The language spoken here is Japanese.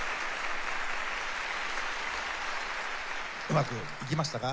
うまくいきましたか？